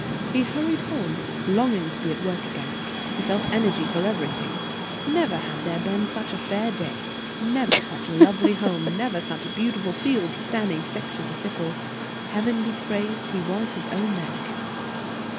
He hurried home, longing to be at work again. He felt energy for everything. Never had there been such a fair day, never such a lovely home, never such beautiful fields, standing thick to the sickle. Heaven be praised, he was his own man again!